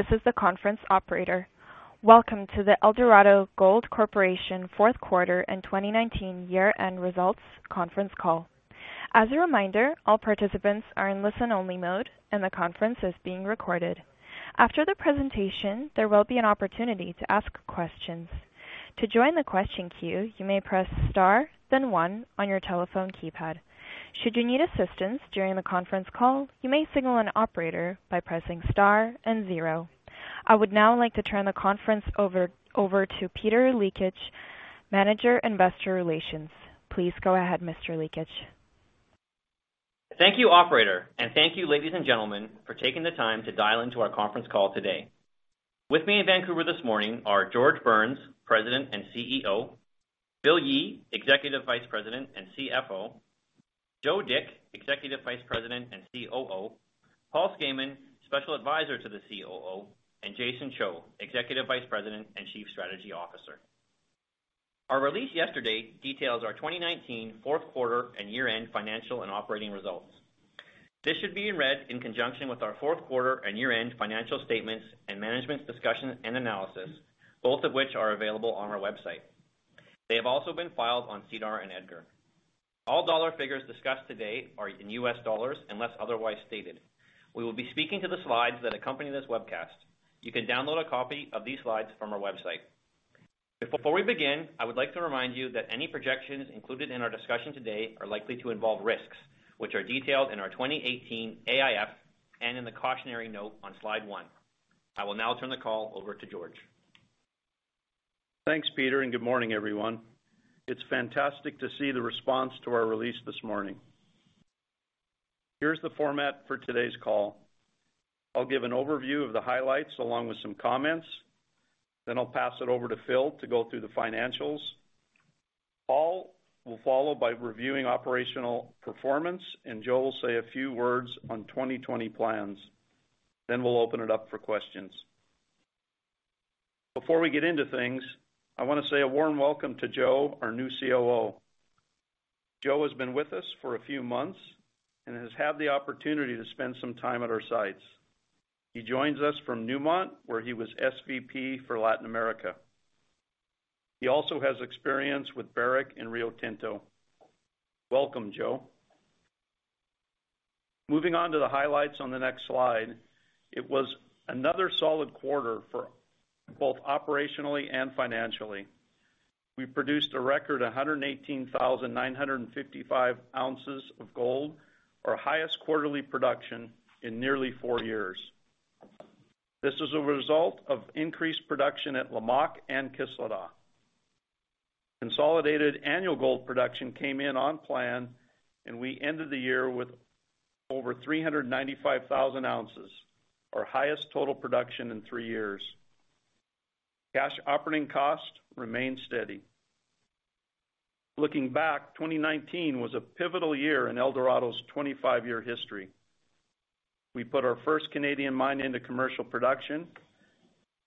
This is the Conference Operator. Welcome to the Eldorado Gold Corporation Fourth Quarter and 2019 Year-End Results Conference Call. As a reminder, all participants are in listen-only mode, and the conference is being recorded. After the presentation, there will be an opportunity to ask questions. To join the question queue, you may press star, then one on your telephone keypad. Should you need assistance during the conference call, you may signal an operator by pressing star and zero. I would now like to turn the conference over to Peter Lekich, Manager, Investor Relations. Please go ahead, Mr. Lekich. Thank you, Operator, and thank you, ladies and gentlemen, for taking the time to dial into our conference call today. With me in Vancouver this morning are George Burns, President and CEO, Phil Yee, Executive Vice President and CFO, Joe Dick, Executive Vice President and COO, Paul Skayman, Special Advisor to the COO, and Jason Cho, Executive Vice President and Chief Strategy Officer. Our release yesterday details our 2019 fourth quarter and year-end financial and operating results. This should be read in conjunction with our fourth quarter and year-end financial statements and management's discussion and analysis, both of which are available on our website. They have also been filed on SEDAR and EDGAR. All dollar figures discussed today are in US dollars unless otherwise stated. We will be speaking to the slides that accompany this webcast. You can download a copy of these slides from our website. Before we begin, I would like to remind you that any projections included in our discussion today are likely to involve risks, which are detailed in our 2018 AIF and in the cautionary note on slide one. I will now turn the call over to George. Thanks, Peter, and good morning, everyone. It's fantastic to see the response to our release this morning. Here's the format for today's call. I'll give an overview of the highlights along with some comments, then I'll pass it over to Phil to go through the financials. Paul will follow by reviewing operational performance, and Joe will say a few words on 2020 plans. Then we'll open it up for questions. Before we get into things, I want to say a warm welcome to Joe, our new COO. Joe has been with us for a few months and has had the opportunity to spend some time at our sites. He joins us from Newmont, where he was SVP for Latin America. He also has experience with Barrick and Rio Tinto. Welcome, Joe. Moving on to the highlights on the next slide, it was another solid quarter for both operationally and financially. We produced a record 118,955 ounces of gold, our highest quarterly production in nearly four years. This is a result of increased production at Lamaque and Kışladağ. Consolidated annual gold production came in on plan, and we ended the year with over 395,000 ounces, our highest total production in three years. Cash operating cost remained steady. Looking back, 2019 was a pivotal year in Eldorado's 25-year history. We put our first Canadian mine into commercial production.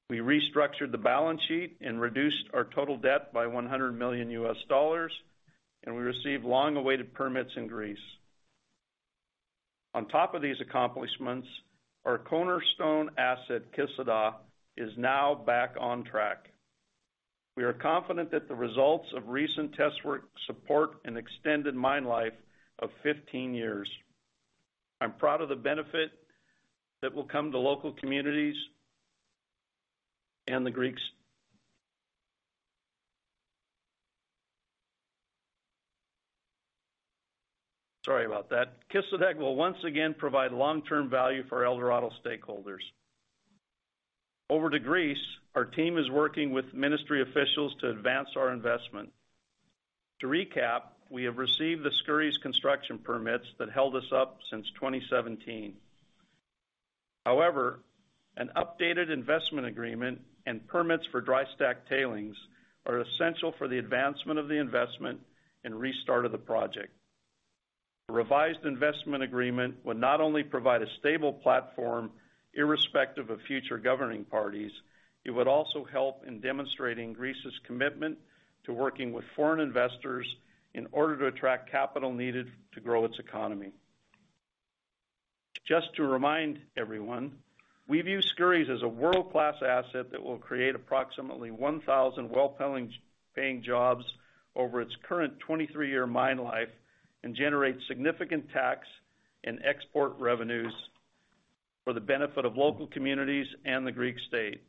We restructured the balance sheet and reduced our total debt by $100 million, and we received long-awaited permits in Greece. On top of these accomplishments, our cornerstone asset, Kışladağ, is now back on track. We are confident that the results of recent test work support an extended mine life of 15 years. I'm proud of the benefit that will come to local communities and the Greeks. Sorry about that. Kışladağ will once again provide long-term value for Eldorado stakeholders. Over to Greece, our team is working with ministry officials to advance our investment. To recap, we have received the Skouries construction permits that held us up since 2017. However, an updated investment agreement and permits for dry stack tailings are essential for the advancement of the investment and restart of the project. The revised investment agreement would not only provide a stable platform irrespective of future governing parties, it would also help in demonstrating Greece's commitment to working with foreign investors in order to attract capital needed to grow its economy. Just to remind everyone, we view Skouries as a world-class asset that will create approximately 1,000 well-paying jobs over its current 23-year mine life and generate significant tax and export revenues for the benefit of local communities and the Greek state.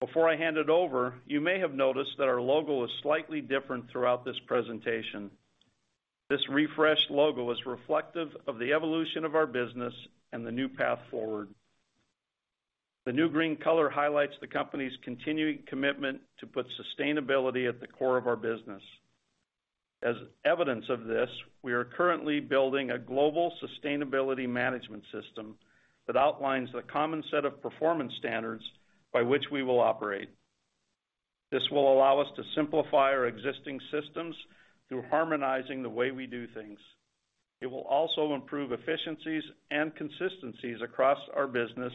Before I hand it over, you may have noticed that our logo is slightly different throughout this presentation. This refreshed logo is reflective of the evolution of our business and the new path forward. The new green color highlights the company's continuing commitment to put sustainability at the core of our business. As evidence of this, we are currently building a global Sustainability Management System that outlines the common set of performance standards by which we will operate. This will allow us to simplify our existing systems through harmonizing the way we do things. It will also improve efficiencies and consistencies across our business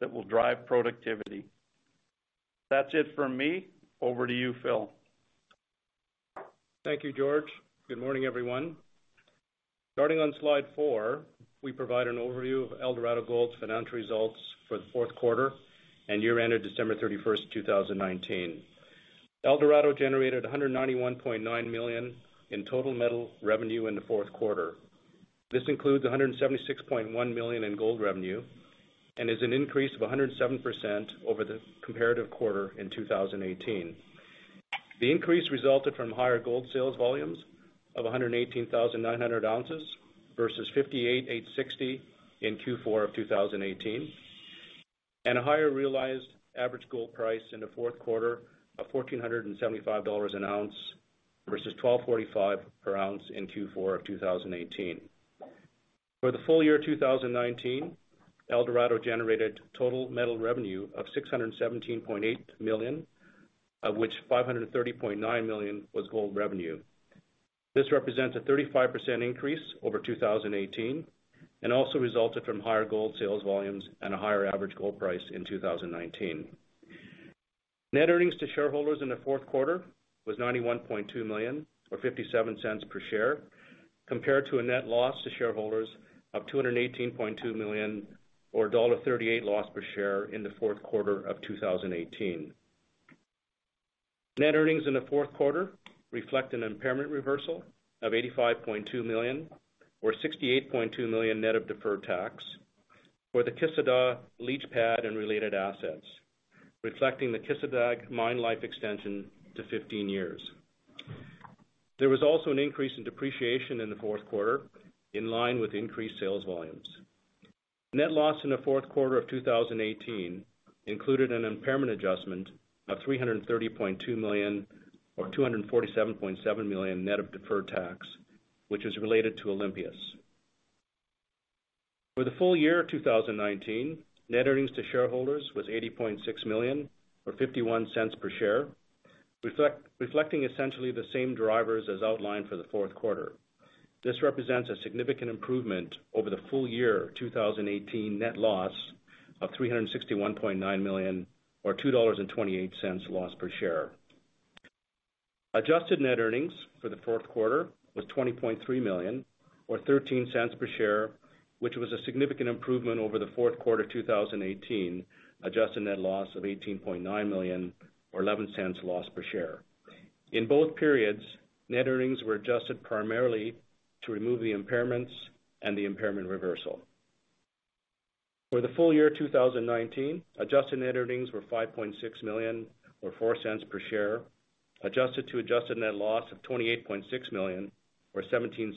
that will drive productivity. That's it from me. Over to you, Phil. Thank you, George. Good morning, everyone. Starting on slide four, we provide an overview of Eldorado Gold's Financial Results for the Fourth Quarter and Year Ended December 31st, 2019. Eldorado generated $191.9 million in total metal revenue in the fourth quarter. This includes $176.1 million in gold revenue and is an increase of 107% over the comparative quarter in 2018. The increase resulted from higher gold sales volumes of 118,900 ounces versus 58,860 in Q4 of 2018, and a higher realized average gold price in the fourth quarter of $1,475 an ounce versus $1,245 per ounce in Q4 of 2018. For the full year 2019, Eldorado generated total metal revenue of $617.8 million, of which $530.9 million was gold revenue. This represents a 35% increase over 2018 and also resulted from higher gold sales volumes and a higher average gold price in 2019. Net earnings to shareholders in the fourth quarter was $91.2 million or $0.57 per share, compared to a net loss to shareholders of $218.2 million or $1.38 loss per share in the fourth quarter of 2018. Net earnings in the fourth quarter reflect an impairment reversal of $85.2 million or $68.2 million net of deferred tax for the Kışladağ leach pad and related assets, reflecting the Kışladağ mine life extension to 15 years. There was also an increase in depreciation in the fourth quarter in line with increased sales volumes. Net loss in the fourth quarter of 2018 included an impairment adjustment of $330.2 million or $247.7 million net of deferred tax, which is related to Olympias. For the full year 2019, net earnings to shareholders was $80.6 million or $0.51 per share, reflecting essentially the same drivers as outlined for the fourth quarter. This represents a significant improvement over the full year 2018 net loss of $361.9 million or $2.28 loss per share. Adjusted net earnings for the fourth quarter was $20.3 million or $0.13 per share, which was a significant improvement over the fourth quarter 2018 adjusted net loss of $18.9 million or $0.11 loss per share. In both periods, net earnings were adjusted primarily to remove the impairments and the impairment reversal. For the full year 2019, adjusted net earnings were $5.6 million or $0.04 per share, compared to adjusted net loss of $28.6 million or $0.17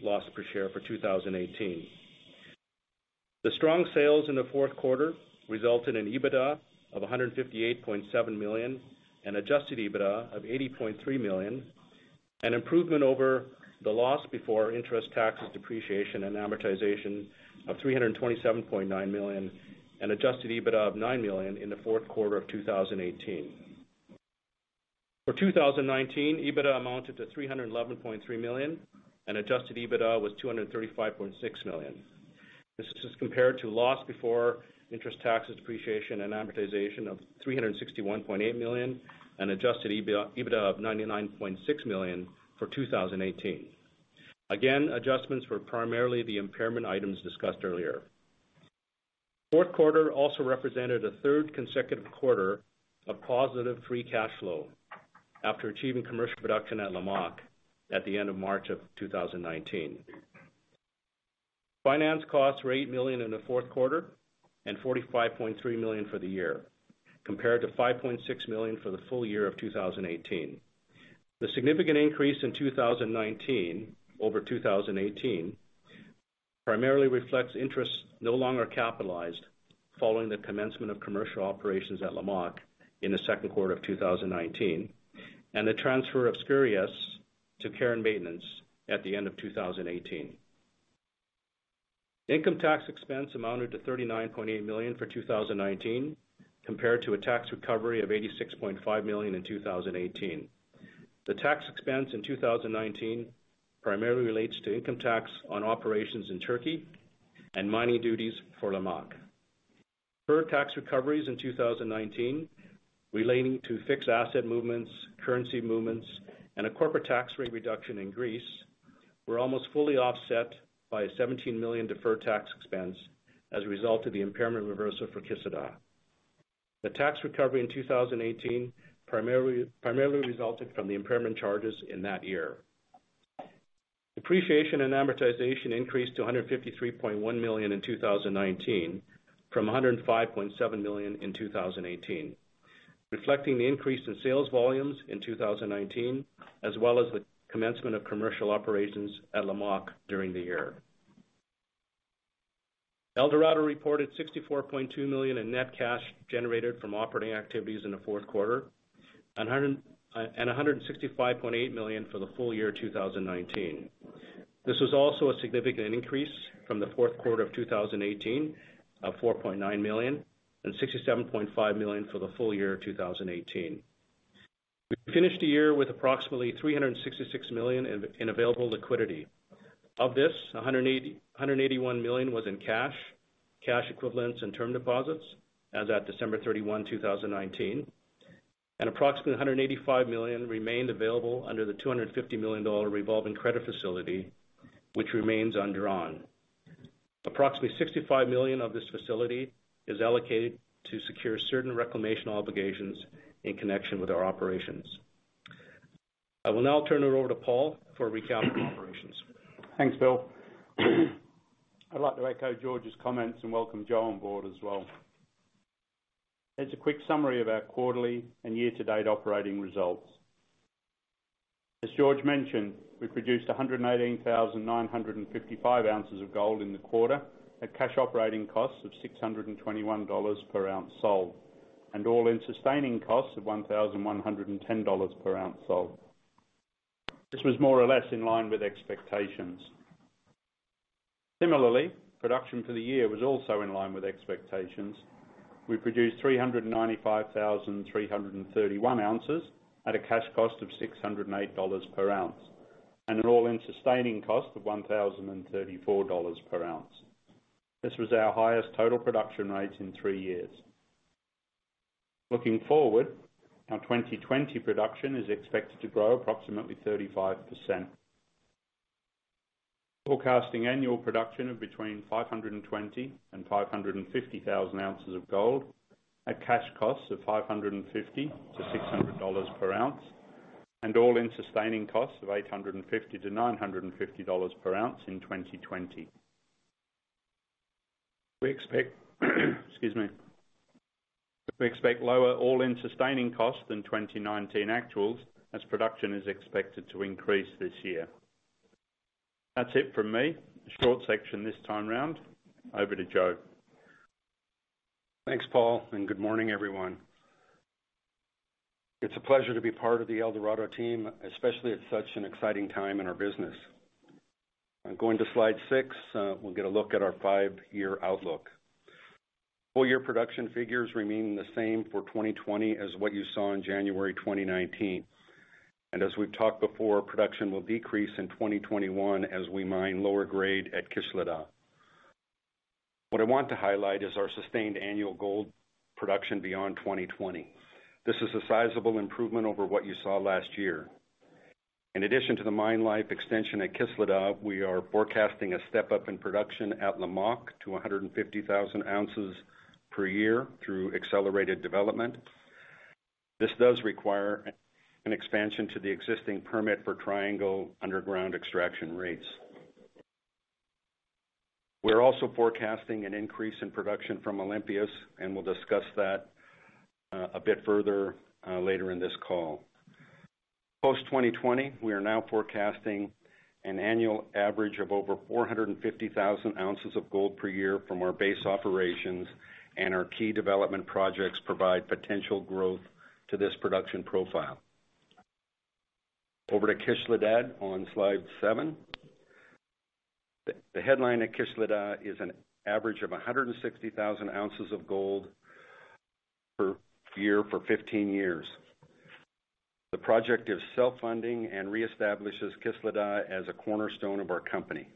loss per share for 2018. The strong sales in the fourth quarter resulted in EBITDA of $158.7 million and Adjusted EBITDA of $80.3 million, an improvement over the loss before interest, taxes, depreciation, and amortization of $327.9 million and Adjusted EBITDA of $9 million in the fourth quarter of 2018. For 2019, EBITDA amounted to $311.3 million and Adjusted EBITDA was $235.6 million. This is compared to a loss before interest, taxes, depreciation, and amortization of $361.8 million and Adjusted EBITDA of $99.6 million for 2018. Again, adjustments were primarily the impairment items discussed earlier. Fourth quarter also represented a third consecutive quarter of positive free cash flow after achieving commercial production at Lamaque at the end of March of 2019. Finance costs were $8 million in the fourth quarter and $45.3 million for the year, compared to $5.6 million for the full year of 2018. The significant increase in 2019 over 2018 primarily reflects interest no longer capitalized following the commencement of commercial operations at Lamaque in the second quarter of 2019 and the transfer of Skouries to care and maintenance at the end of 2018. Income tax expense amounted to $39.8 million for 2019, compared to a tax recovery of $86.5 million in 2018. The tax expense in 2019 primarily relates to income tax on operations in Turkey and mining duties for Lamaque. Deferred tax recoveries in 2019 relating to fixed asset movements, currency movements, and a corporate tax rate reduction in Greece were almost fully offset by a $17 million deferred tax expense as a result of the impairment reversal for Kışladağ. The tax recovery in 2018 primarily resulted from the impairment charges in that year. Depreciation and amortization increased to $153.1 million in 2019 from $105.7 million in 2018, reflecting the increase in sales volumes in 2019, as well as the commencement of commercial operations at Lamaque during the year. Eldorado reported $64.2 million in net cash generated from operating activities in the fourth quarter and $165.8 million for the full year 2019. This was also a significant increase from the fourth quarter of 2018 of 4.9 million and 67.5 million for the full year 2018. We finished the year with approximately $366 million in available liquidity. Of this, $181 million was in cash equivalents, and term deposits as at December 31, 2019. Approximately $185 million remained available under the $250 million revolving credit facility, which remains undrawn. Approximately $65 million of this facility is allocated to secure certain reclamation obligations in connection with our operations. I will now turn it over to Paul for a recap of operations. Thanks, Phil. I'd like to echo George's comments and welcome Joe on board as well. Here's a quick summary of our quarterly and year-to-date operating results. As George mentioned, we produced 118,955 ounces of gold in the quarter at cash operating costs of $621 per ounce sold and all-in sustaining costs of $1,110 per ounce sold. This was more or less in line with expectations. Similarly, production for the year was also in line with expectations. We produced 395,331 ounces at a cash cost of $608 per ounce, and an all-in sustaining cost of $1,034 per ounce. This was our highest total production rates in three years. Looking forward, our 2020 production is expected to grow approximately 35%. Forecasting annual production of between 520,000 and 550,000 ounces of gold at cash costs of $550-$600 per ounce, and all-in sustaining costs of $850-$950 per ounce in 2020. We expect lower all-in sustaining costs than 2019 actuals, as production is expected to increase this year. That's it from me. A short section this time around. Over to Joe. Thanks, Paul, and good morning, everyone. It's a pleasure to be part of the Eldorado team, especially at such an exciting time in our business. Now, going to slide six, we'll get a look at our five-year outlook. Full year production figures remain the same for 2020 as what you saw in January 2019. As we've talked before, production will decrease in 2021 as we mine lower grade at Kışladağ. What I want to highlight is our sustained annual gold production beyond 2020. This is a sizable improvement over what you saw last year. In addition to the mine life extension at Kışladağ, we are forecasting a step-up in production at Lamaque to 150,000 ounces per year through accelerated development. This does require an expansion to the existing permit for Triangle underground extraction rates. We're also forecasting an increase in production from Olympias, and we'll discuss that a bit further later in this call. Post-2020, we are now forecasting an annual average of over 450,000 ounces of gold per year from our base operations, and our key development projects provide potential growth to this production profile. Over to Kışladağ on slide seven. The headline at Kışladağ is an average of 160,000 ounces of gold per year for 15 years. The project is self-funding and reestablishes Kışladağ as a cornerstone of our company.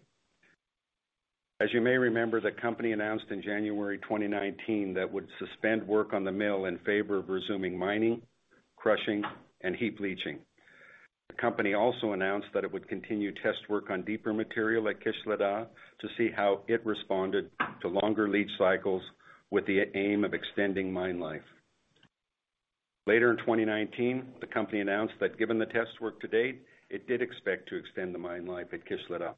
As you may remember, the company announced in January 2019 that it would suspend work on the mill in favor of resuming mining, crushing, and heap leaching. The company also announced that it would continue test work on deeper material at Kışladağ to see how it responded to longer leach cycles with the aim of extending mine life. Later in 2019, the company announced that given the test work to date, it did expect to extend the mine life at Kışladağ.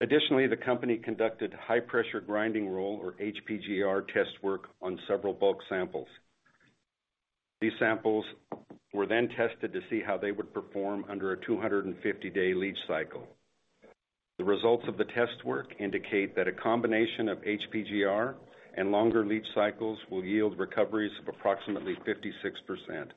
Additionally, the company conducted High Pressure Grinding Roll, or HPGR test work on several bulk samples. These samples were then tested to see how they would perform under a 250-day leach cycle. The results of the test work indicate that a combination of HPGR and longer leach cycles will yield recoveries of approximately 56%.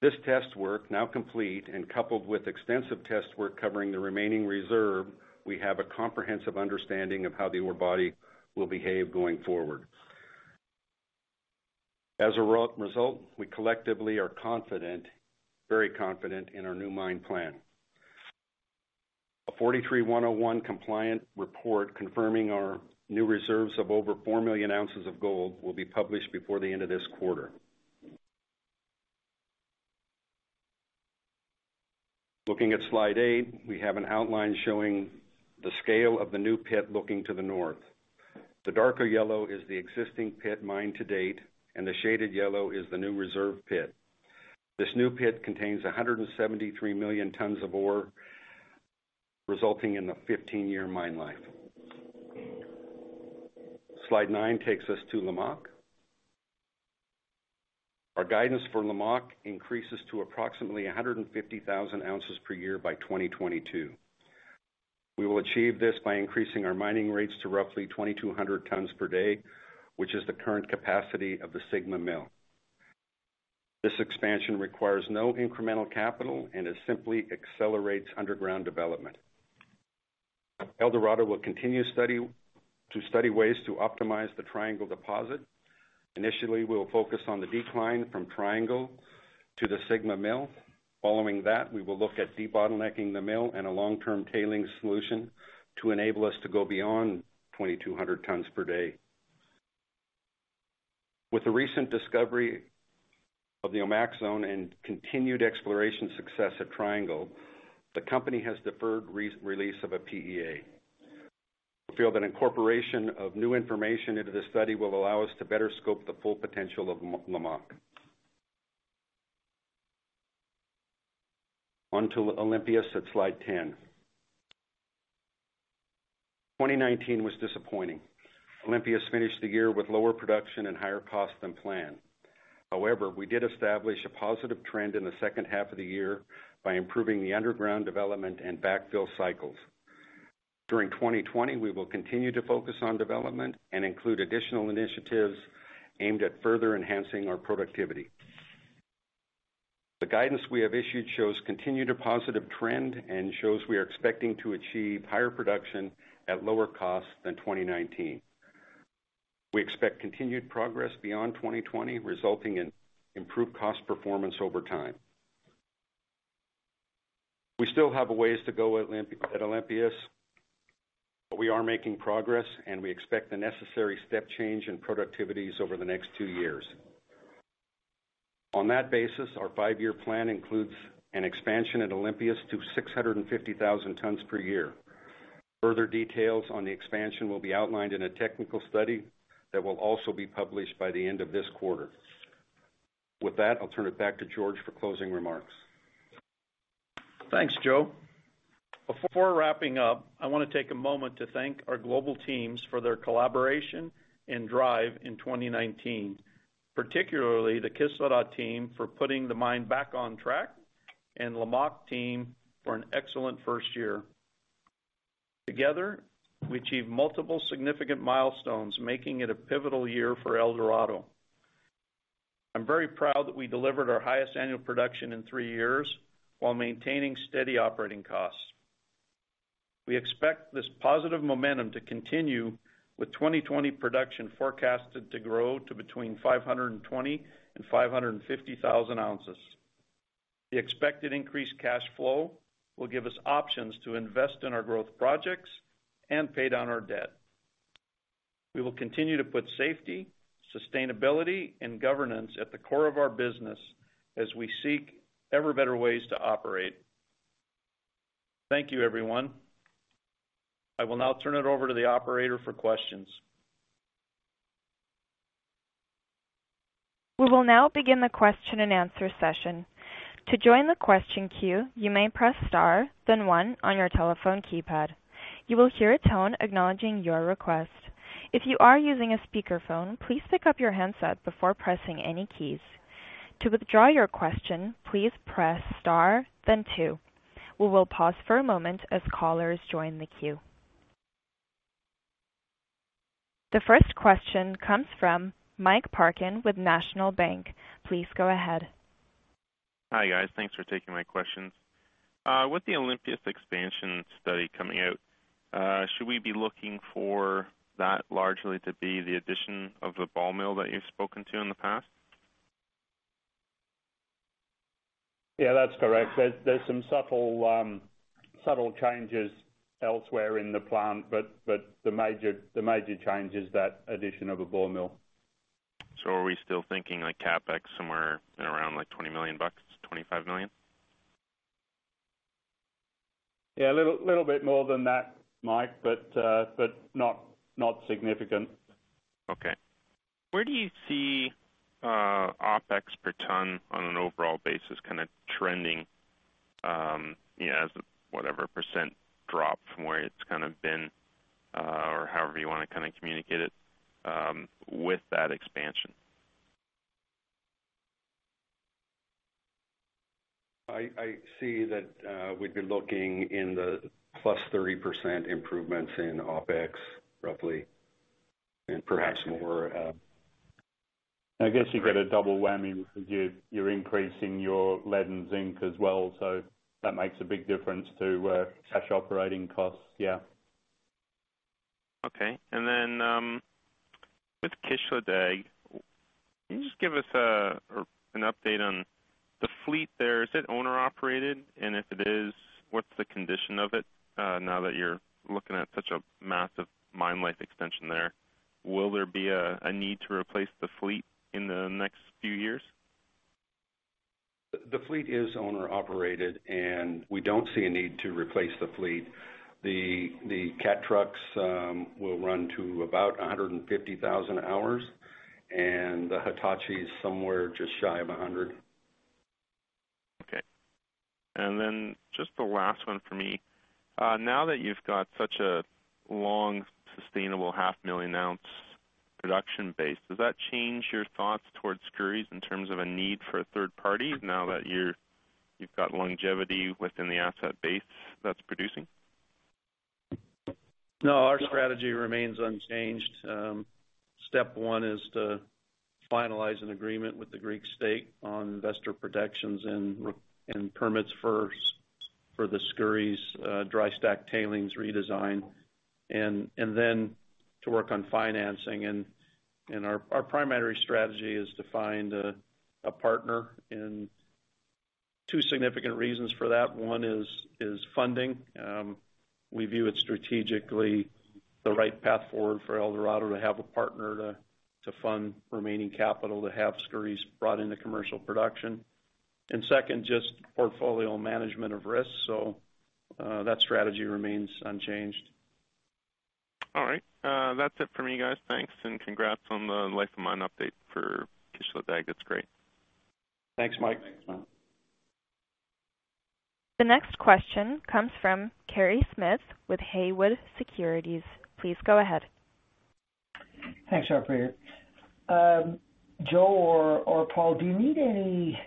This test work, now complete and coupled with extensive test work covering the remaining reserve, we have a comprehensive understanding of how the ore body will behave going forward. As a result, we collectively are confident, very confident in our new mine plan. A 43-101 compliant report confirming our new reserves of over four million ounces of gold will be published before the end of this quarter. Looking at slide eight, we have an outline showing the scale of the new pit looking to the north. The darker yellow is the existing pit mine to date, and the shaded yellow is the new reserve pit. This new pit contains 173 million tons of ore, resulting in the 15-year mine life. Slide nine takes us to Lamaque. Our guidance for Lamaque increases to approximately 150,000 ounces per year by 2022. We will achieve this by increasing our mining rates to roughly 2,200 tons per day, which is the current capacity of the Sigma Mill. This expansion requires no incremental capital and it simply accelerates underground development. Eldorado will continue to study ways to optimize the Triangle deposit. Initially, we'll focus on the decline from Triangle to the Sigma Mill. Following that, we will look at de-bottlenecking the mill and a long-term tailings solution to enable us to go beyond 2,200 tons per day. With the recent discovery of the Ormaque and continued exploration success at Triangle, the company has deferred release of a PEA. We feel that incorporation of new information into the study will allow us to better scope the full potential of Lamaque. On to Olympias at slide 10. 2019 was disappointing. Olympias finished the year with lower production and higher costs than planned. However, we did establish a positive trend in the second half of the year by improving the underground development and backfill cycles. During 2020, we will continue to focus on development and include additional initiatives aimed at further enhancing our productivity. The guidance we have issued shows a continued positive trend and shows we are expecting to achieve higher production at lower costs than 2019. We expect continued progress beyond 2020, resulting in improved cost performance over time. We still have a ways to go at Olympias, but we are making progress, and we expect the necessary step change in productivities over the next two years. On that basis, our five-year plan includes an expansion at Olympias to 650,000 tons per year. Further details on the expansion will be outlined in a technical study that will also be published by the end of this quarter. With that, I'll turn it back to George for closing remarks. Thanks, Joe. Before wrapping up, I want to take a moment to thank our global teams for their collaboration and drive in 2019, particularly the Kışladağ team for putting the mine back on track and Lamaque team for an excellent first year. Together, we achieved multiple significant milestones, making it a pivotal year for Eldorado. I'm very proud that we delivered our highest annual production in three years while maintaining steady operating costs. We expect this positive momentum to continue with 2020 production forecasted to grow to between 520,000-550,000 ounces. The expected increased cash flow will give us options to invest in our growth projects and pay down our debt. We will continue to put safety, sustainability and governance at the core of our business as we seek ever better ways to operate. Thank you, everyone. I will now turn it over to the Operator for questions. We will now begin the question and answer session. To join the question queue, you may press star, then one on your telephone keypad. You will hear a tone acknowledging your request. If you are using a speakerphone, please pick up your handset before pressing any keys. To withdraw your question, please press star, then two. We will pause for a moment as callers join the queue. The first question comes from Mike Parkin with National Bank. Please go ahead. Hi, guys. Thanks for taking my questions. With the Olympias expansion study coming out, should we be looking for that largely to be the addition of the ball mill that you've spoken to in the past? Yeah, that's correct. There's some subtle changes elsewhere in the plant, but the major change is that addition of a ball mill. Are we still thinking CAPEX somewhere in around $20 million-$25 million? Yeah, a little bit more than that, Mike, but not significant. Okay. Where do you see OPEX per ton on an overall basis kind of trending as whatever percent drop from where it's kind of been, or however you want to communicate it with that expansion? I see that we'd be looking at the +30% improvements in OPEX, roughly, and perhaps more. I guess you get a double whammy because you're increasing your lead and zinc as well, so that makes a big difference to cash operating costs. Yeah. Okay. With Kışladağ, can you just give us an update on the fleet there? Is it owner operated? If it is, what's the condition of it now that you're looking at such a massive mine life extension there? Will there be a need to replace the fleet in the next few years? The fleet is owner operated, and we don't see a need to replace the fleet. The Cat trucks will run to about 150,000 hours, and the Hitachi is somewhere just shy of 100,000. Okay. Just the last one for me. Now that you've got such a long, sustainable 500,000-ounce production base, does that change your thoughts towards Skouries in terms of a need for a third party now that you've got longevity within the asset base that's producing? No, our strategy remains unchanged. Step one is to finalize an agreement with the Greek state on investor protections and permits for the Skouries dry stack tailings redesign, and then to work on financing. Our primary strategy is to find a partner, and two significant reasons for that. One is funding. We view it strategically the right path forward for Eldorado to have a partner to fund remaining capital, to have Skouries brought into commercial production. Second, just portfolio management of risk. That strategy remains unchanged. All right. That's it for me, guys. Thanks, and congrats on the life of mine update for Kışladağ. That's great. Thanks, Mike. The next question comes from Kerry Smith with Haywood Securities. Please go ahead. Thanks, operator. Joe or Paul, do you need any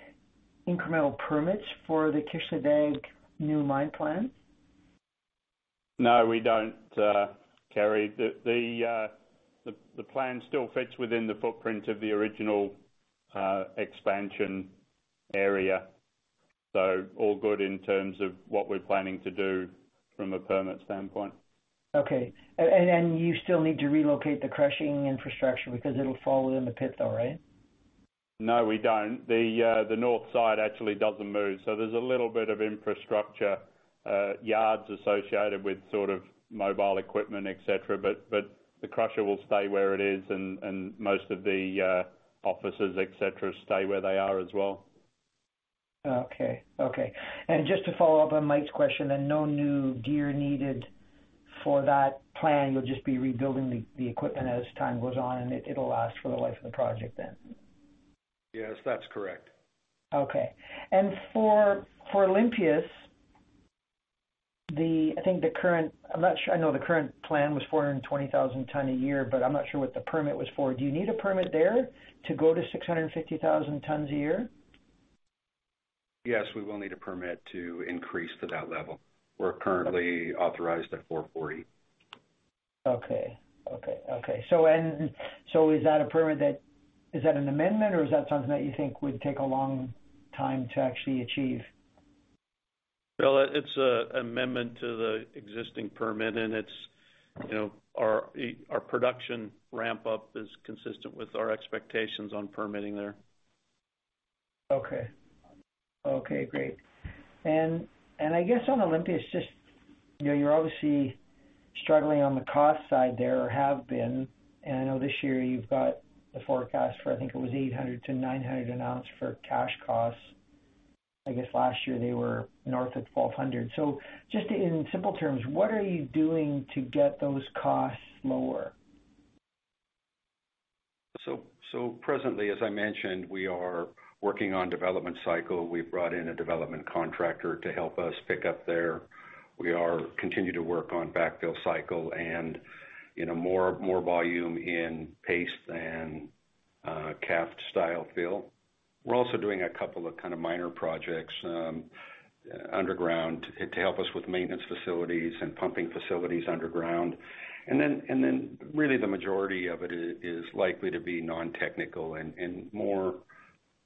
incremental permits for the Kışladağ new mine plan? No, we don't, Kerry. The plan still fits within the footprint of the original expansion area. All good in terms of what we're planning to do from a permit standpoint. Okay. You still need to relocate the crushing infrastructure because it'll fall within the pit though, right? No, we don't. The north side actually doesn't move. There's a little bit of infrastructure yards associated with sort of mobile equipment, et cetera. The crusher will stay where it is and most of the offices, et cetera, stay where they are as well. Okay. Just to follow up on Mike's question, then no new gear needed for that plan. You'll just be rebuilding the equipment as time goes on, and it'll last for the life of the project then. Yes, that's correct. Okay. For Olympias, I know the current plan was 420,000 ton a year, but I'm not sure what the permit was for. Do you need a permit there to go to 650,000 tons a year? Yes, we will need a permit to increase to that level. We're currently authorized at 440,000 tons. Is that an amendment or is that something that you think would take a long time to actually achieve? Kerry, it's an amendment to the existing permit, and our production ramp up is consistent with our expectations on permitting there. Okay, great. I guess on Olympias, just you're obviously struggling on the cost side there or have been, and I know this year you've got the forecast for, I think it was $800-$900 an ounce for cash costs. I guess last year they were north of $1,200. Just in simple terms, what are you doing to get those costs lower? Presently, as I mentioned, we are working on development cycle. We've brought in a development contractor to help us pick up there. We continue to work on backfill cycle and more volume in paste than cemented aggregate fill. We're also doing a couple of kind of minor projects underground to help us with maintenance facilities and pumping facilities underground. Really the majority of it is likely to be non-technical and more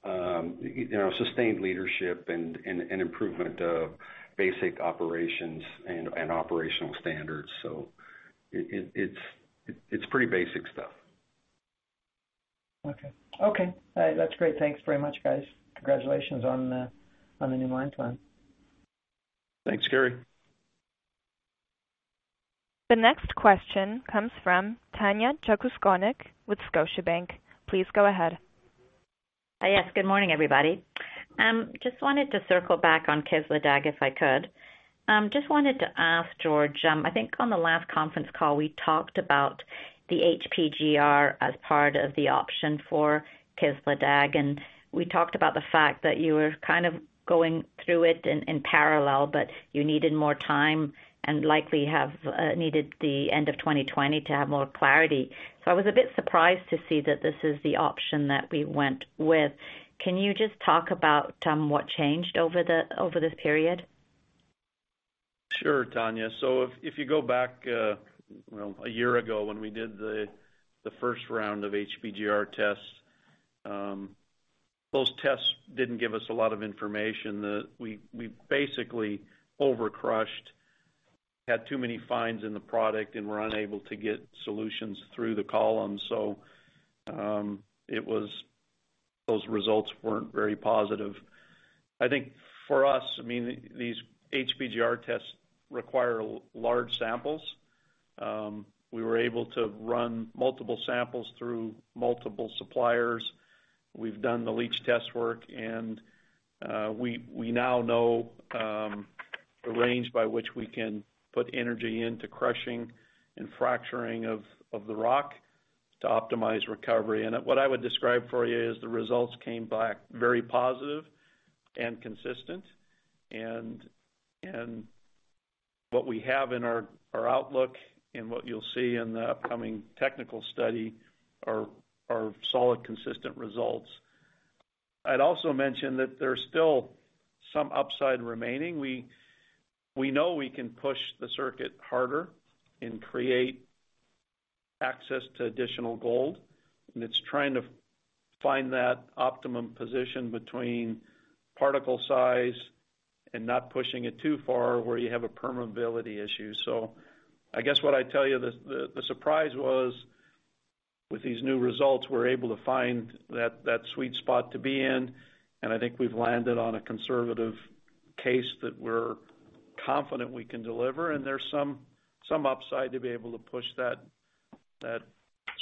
sustained leadership and improvement of basic operations and operational standards. It's pretty basic stuff. Okay. That's great. Thanks very much, guys. Congratulations on the new mine plan. Thanks, Kerry. The next question comes from Tanya Jakusconek with Scotiabank. Please go ahead. Yes. Good morning, everybody. Just wanted to circle back on Kışladağ, if I could. Just wanted to ask George, I think on the last conference call, we talked about the HPGR as part of the option for Kışladağ, and we talked about the fact that you were kind of going through it in parallel, but you needed more time and likely needed the end of 2020 to have more clarity. I was a bit surprised to see that this is the option that we went with. Can you just talk about what changed over this period? Sure, Tanya. If you go back a year ago when we did the first round of HPGR tests, those tests didn't give us a lot of information. We basically over-crushed, had too many fines in the product, and were unable to get solutions through the column. Those results weren't very positive. I think for us, these HPGR tests require large samples. We were able to run multiple samples through multiple suppliers. We've done the leach test work, and we now know the range by which we can put energy into crushing and fracturing of the rock to optimize recovery. What I would describe for you is the results came back very positive and consistent, and what we have in our outlook and what you'll see in the upcoming technical study are solid, consistent results. I'd also mention that there's still some upside remaining. We know we can push the circuit harder and create access to additional gold, and it's trying to find that optimum position between particle size and not pushing it too far where you have a permeability issue. I guess what I'd tell you, the surprise was with these new results, we're able to find that sweet spot to be in, and I think we've landed on a conservative case that we're confident we can deliver. There's some upside to be able to push that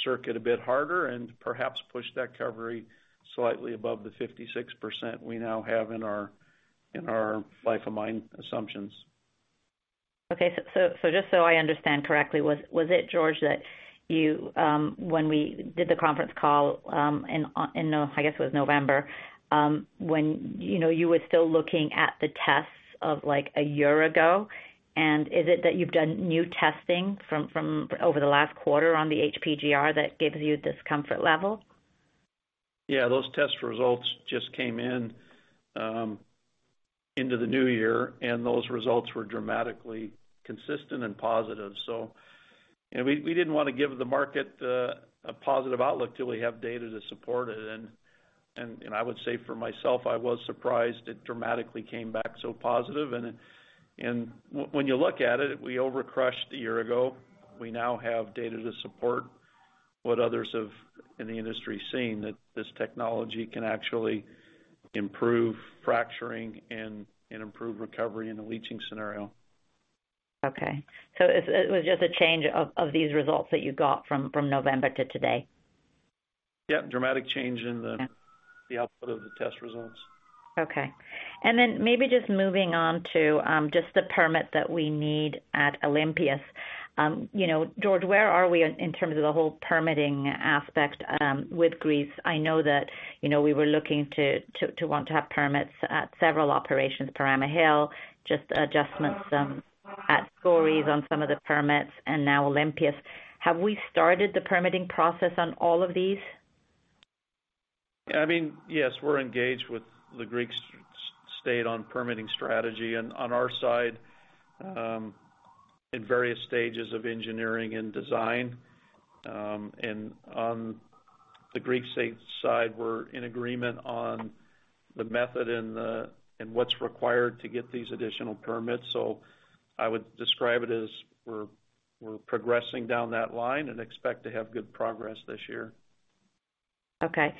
circuit a bit harder and perhaps push that recovery slightly above the 56% we now have in our life-of-mine assumptions. Okay. Just so I understand correctly, was it, George, that when we did the conference call in, I guess it was November, when you were still looking at the tests of like a year ago? Is it that you've done new testing from over the last quarter on the HPGR that gives you this comfort level? Yeah, those test results just came in in the new year, and those results were dramatically consistent and positive. We didn't want to give the market a positive outlook till we have data to support it. I would say for myself, I was surprised it dramatically came back so positive. When you look at it, we over-crushed a year ago. We now have data to support what others in the industry have seen, that this technology can actually improve fracturing and improve recovery in a leaching scenario. Okay, it was just a change of these results that you got from November to today? Yeah, dramatic change in the output of the test results. Okay. Maybe just moving on to just the permit that we need at Olympias. George, where are we in terms of the whole permitting aspect with Greece? I know that we were looking to want to have permits at several operations, Perama Hill, just adjustments at Skouries on some of the permits, and now Olympias. Have we started the permitting process on all of these? Yes, we're engaged with the Greek state on permitting strategy, and on our side, in various stages of engineering and design. On the Greek state side, we're in agreement on the method and what's required to get these additional permits. I would describe it as we're progressing down that line and expect to have good progress this year. Okay.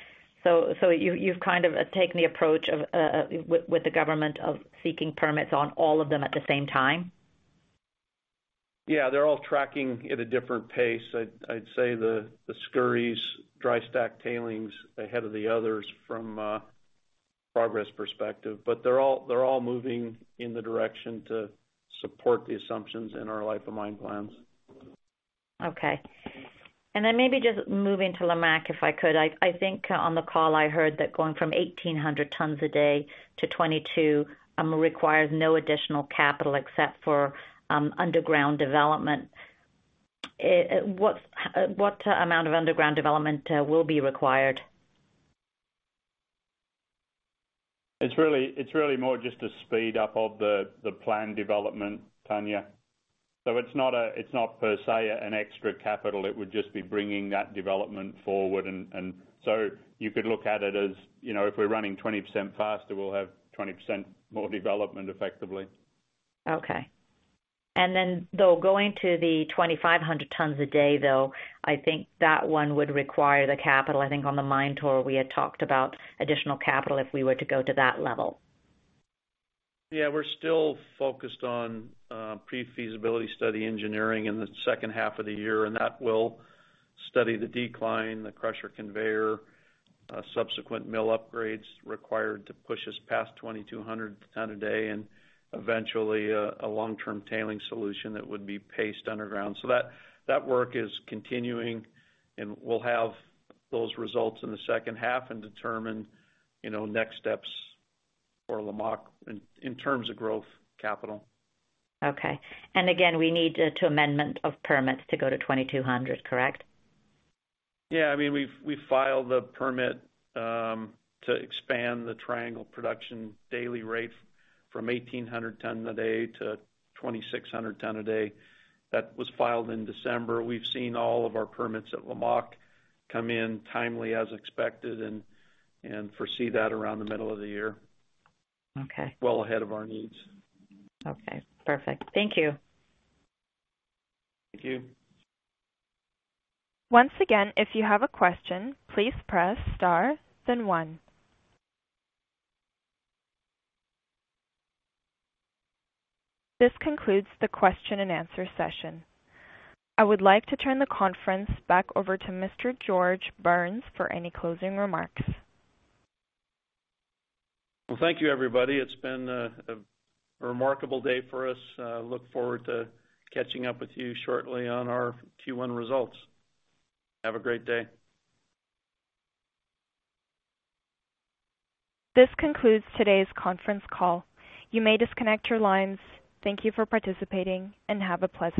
You've kind of taken the approach with the government of seeking permits on all of them at the same time? Yeah, they're all tracking at a different pace. I'd say the Skouries dry stack tailings ahead of the others from a progress perspective. They're all moving in the direction to support the assumptions in our life-of-mine plans. Okay. Maybe just moving to Lamaque, if I could. I think on the call I heard that going from 1,800 tons a day to 2,200 tons requires no additional capital except for underground development. What amount of underground development will be required? It's really more just a speed-up of the plan development, Tanya. It's not per se an extra capital. It would just be bringing that development forward. You could look at it as, if we're running 20% faster, we'll have 20% more development effectively. Okay. Though, going to the 2,500 tons a day, though, I think that one would require the capital. I think on the mine tour, we had talked about additional capital if we were to go to that level. Yeah, we're still focused on pre-feasibility study engineering in the second half of the year, and that will study the decline, the crusher conveyor, subsequent mill upgrades required to push us past 2,200 tons a day, and eventually, a long-term tailings solution that would be placed underground. That work is continuing, and we'll have those results in the second half and determine next steps for Lamaque in terms of growth capital. Okay. Again, we need amendments to permits to go to 2,200 tons, correct? Yeah, we filed the permit to expand the Triangle production daily rate from 1,800 tons a day to 2,600 tons a day. That was filed in December. We've seen all of our permits at Lamaque come in timely as expected and foresee that around the middle of the year. Okay. Well ahead of our needs. Okay, perfect. Thank you. Thank you. Once again, if you have a question, please press star, then one. This concludes the question and answer session. I would like to turn the conference back over to Mr. George Burns for any closing remarks. Well, thank you everybody. It's been a remarkable day for us. Look forward to catching up with you shortly on our Q1 results. Have a great day. This concludes today's conference call. You may disconnect your lines. Thank you for participating and have a pleasant day.